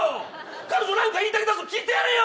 彼女、何か言いたげだぞ聞いてやれよ。